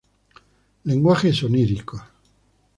Lenguajes oníricos.